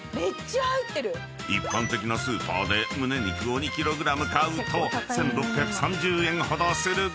［一般的なスーパーでムネ肉を２ｋｇ買うと１，６３０円ほどするが］